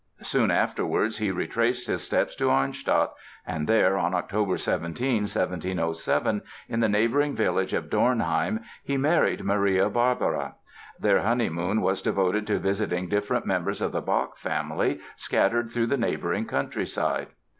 Soon afterwards he retraced his steps to Arnstadt and there, on October 17, 1707, in the neighboring village of Dornheim he married Maria Barbara. Their honeymoon was devoted to visiting different members of the Bach family scattered through the neighboring countryside.